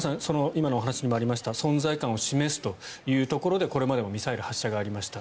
今のお話にもありました存在感を示すというところでこれまでもミサイル発射がありました。